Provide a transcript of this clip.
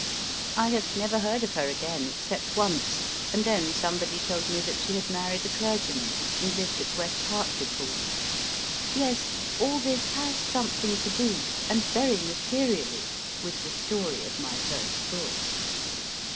I have never heard of her again except once, and then somebody told me that she had married a clergyman, and lived at West Hartlepool. Yes, all this has something to do, and very materially, with the story of my first book.